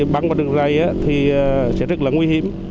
bắn vào đường rây sẽ rất là nguy hiểm